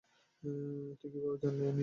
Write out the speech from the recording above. তুই কীভাবে জানলি আমি এস্থার নই?